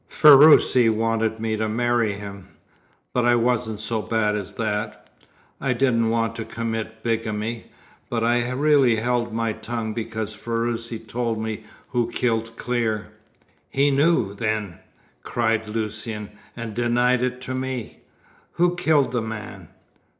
Ferruci wanted me to marry him, but I wasn't so bad as that. I did not want to commit bigamy. But I really held my tongue because Ferruci told me who killed Clear." "He knew, then?" cried Lucian, "and denied it to me! Who killed the man?"